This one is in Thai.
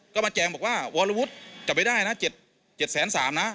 ก็มาแจงบอกว่าวรวุฒิจับไม่ได้นะ๗๓๐๐นะ